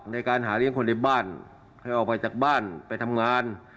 ในการหาเลี้ยงคนในบ้านให้ออกไปจากบ้านไปทำงาน